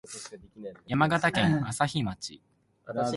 山形県朝日町